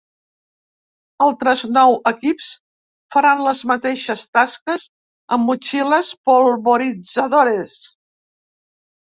Altres nou equips faran les mateixes tasques amb motxilles polvoritzadores.